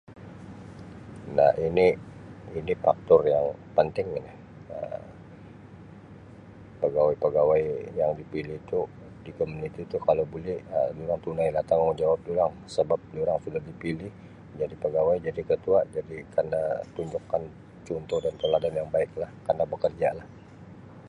Nah ini, ini faktor yang penting ini Um pegawai-pegawai yang dipilih tu di komuniti tu kalau boleh memang tunai lah tanggungjawab sebab durang sudah dipilih menjadi pegawai, jadi ketua, jadi kena tunjuk contoh dan tauladan yang baik lah, kena bekerja.